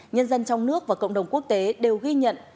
nhân dân trong nước và cộng đồng quốc tế đều ghi nhận